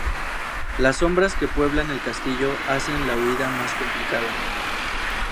Las sombras que pueblan el castillo hacen la huida más complicada.